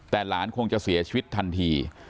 แต่หลานคงจะเสียชีวิตทันที